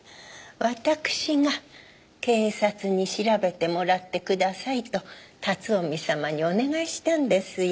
私が警察に調べてもらってくださいと辰臣様にお願いしたんですよ。